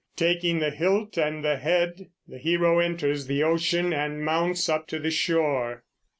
Taking the hilt and the head, the hero enters the ocean and mounts up to the shore.